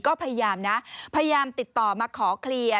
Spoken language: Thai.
ก็พยายามติดต่อมาขอเคลียร์